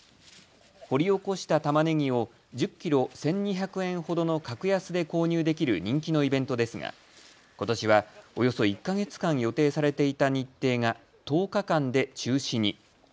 掘り起こしたたまねぎを１０キロ１２００円ほどの格安で購入できる人気のイベントですがことしはおよそ１か月間予定されていた日程が１０日間で中止に。